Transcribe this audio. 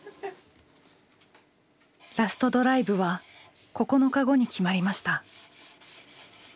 ラストドライブは９日後に決まりました。